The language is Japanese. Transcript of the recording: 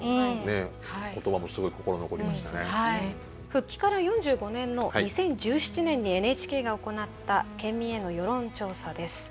復帰から４５年の２０１７年にＮＨＫが行った県民への世論調査です。